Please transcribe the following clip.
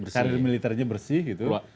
karir militernya bersih gitu